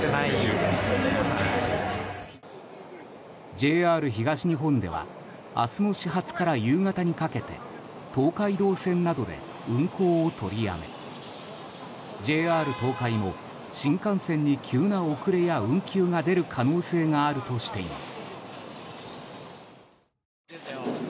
ＪＲ東日本では明日の始発から夕方にかけて東海道線などで運行を取りやめＪＲ東海も新幹線に急な遅れや運休が出る可能性があるとしています。